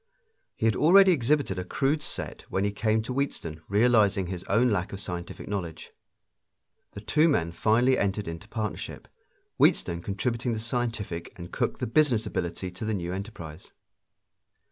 He had already exhibited a crude set when he came to Wheatstone, realizing his own lack of scientific knowledge. The two men finally entered into partnership, Wheatstone contributing the scientific and Cooke the business ability to the new enterprise.